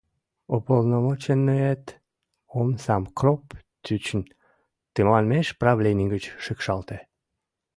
Уполномоченныет, омсам кроп тӱчын, тыманмеш правлений гыч шикшалте.